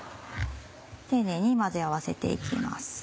丁寧に混ぜ合わせて行きます